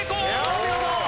お見事！